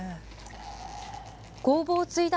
工房を継いだ